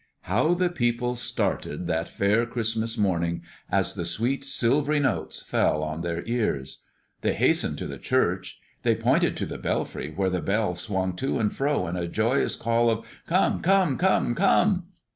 How the people started that fair Christmas morning, as the sweet, silvery notes fell on their ears! They hastened to the church; they pointed to the belfry where the bell swung to and fro in a joyous call of "_Come! Come! Come! Come!